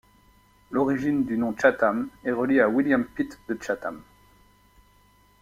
L'origine du nom Chatham est reliée à William Pitt de Chatham.